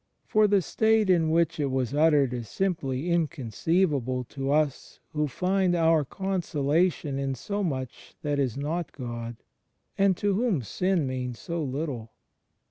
For the state in which it was uttered is simply inconceivable to us who find our consolation in so much that is not God, and to whom sin means so little.